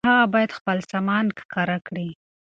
هغه بايد خپل سامان ښکاره کړي.